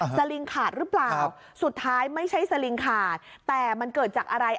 สลิงขาดหรือเปล่าสุดท้ายไม่ใช่สลิงขาดแต่มันเกิดจากอะไร